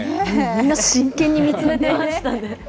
みんな真剣に見つめていましたね。